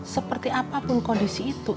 seperti apapun kondisi itu